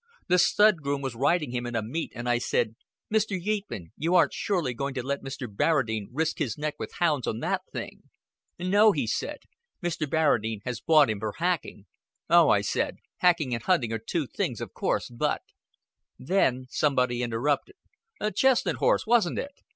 The stud groom was riding him at a meet, and I said, 'Mr. Yeatman, you aren't surely going to let Mr. Barradine risk his neck with hounds on that thing?' 'No,' he said, 'Mr. Barradine has bought him for hacking.' 'Oh,' I said, 'hacking and hunting are two things, of course, but '" Then somebody interrupted. "Chestnut horse, wasn't it?"